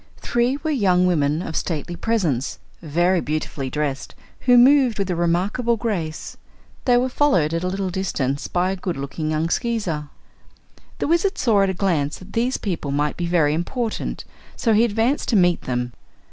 Three were young women of stately presence, very beautifully dressed, who moved with remarkable grace. They were followed at a little distance by a good looking young Skeezer. The Wizard saw at a glance that these people might be very important, so he advanced to meet them.